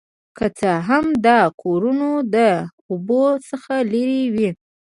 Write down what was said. که څه هم دا کورونه د اوبو څخه لرې وي